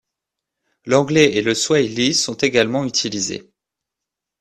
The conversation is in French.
L'anglais et le swahili sont également utilisés.